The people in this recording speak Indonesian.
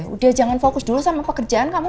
udah jangan fokus dulu sama pekerjaan kamu